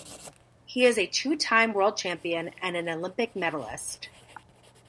He is a two-time world champion and an Olympic medalist.